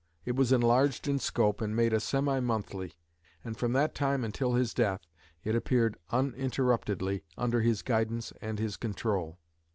It was enlarged in scope, and made a semi monthly; and from that time until his death it appeared uninterruptedly under his guidance and his control.